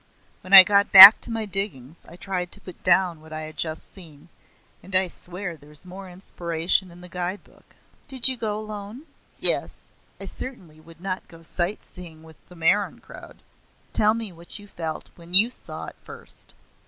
When I got back to my diggings I tried to put down what I had just seen, and I swear there's more inspiration in the guide book." "Did you go alone?" "Yes, I certainly would not go sight seeing with the Meryon crowd. Tell me what you felt when you saw it first."